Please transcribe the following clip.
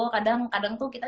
kadang kadang tuh kita